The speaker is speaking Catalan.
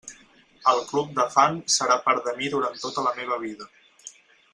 El Club de Fan serà part de mi durant tota la meva vida.